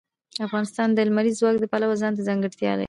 افغانستان د لمریز ځواک د پلوه ځانته ځانګړتیا لري.